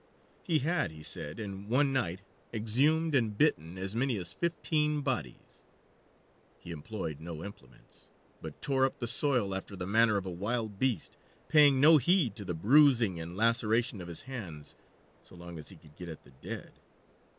He had, he said, in one night exhumed and bitten as many as fifteen bodies. He employed no implements, but tore up the soil after the manner of a wild beast, paying no heed to the bruising and laceration of his hands so long as he could get at the dead.